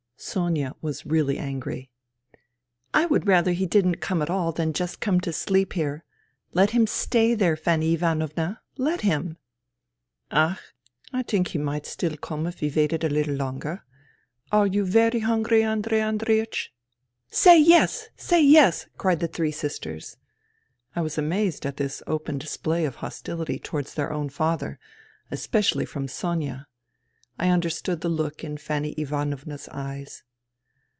Sonia was really angry. " I would rather he didn't come at all, than just come to sleep here. Let him stay there, Fanny Ivanovna. Let him !"" Ach ! I think he might still come if we waited a little longer. Are you very hungry, Andrei Andreiech ?"" Say yes ! Say yes !" cried the three sisters. I was amazed at this open display of hostility towards their own father, especially from Sonia. I under stood the look in Fanny Ivanovna's eyes.